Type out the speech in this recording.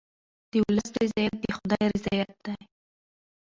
د ولس رضایت د خدای رضایت دی.